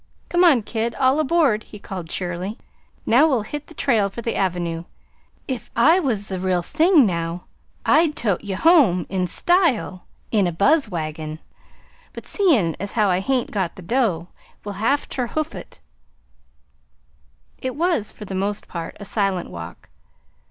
"Come on, kid. All aboard," he called cheerily. "Now we'll hit the trail for the Avenue. If I was the real thing, now, I'd tote ye home in style in a buzzwagon; but seein' as how I hain't got the dough, we'll have ter hoof it." It was, for the most part, a silent walk.